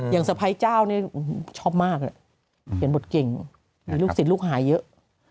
อย่างสะพายเจ้าเนี่ยชอบมากเปลี่ยนบทเก่งลูกศิลป์ลูกหายเยอะ